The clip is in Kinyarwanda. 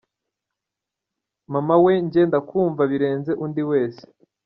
Mama we nge ndakumva birenze undi wese.